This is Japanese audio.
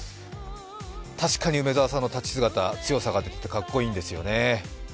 確かに梅澤さんの立ち姿、強さが出ていて、かっこいいんですよね。